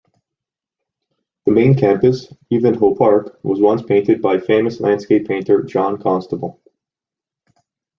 The main campus, Wivenhoe Park, was once painted by famous landscape painter John Constable.